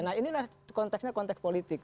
nah inilah konteksnya konteks politik